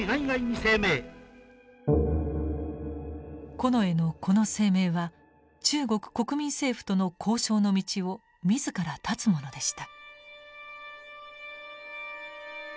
近衛のこの声明は中国国民政府との交渉の道を自ら断つものでした。